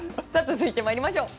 続いて参りましょう。